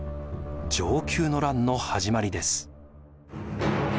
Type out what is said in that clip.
承久の乱の始まりです。